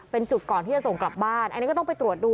เป็นจุดก่อนที่จะส่งกลับบ้านอันนี้ก็ต้องไปตรวจดู